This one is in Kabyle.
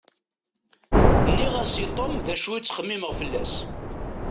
Nniɣ-as i Tom d acu i ttxemmimeɣ fell-as.